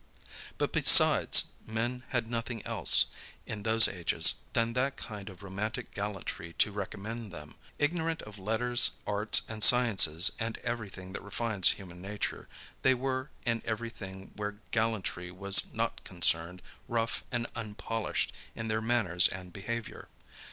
But besides, men had nothing else, in those ages, than that kind of romantic gallantry to recommend them. Ignorant of letters, arts, and sciences, and every thing that refines human nature, they were, in every thing where gallantry was not concerned, rough and unpolished in their manners and behavior.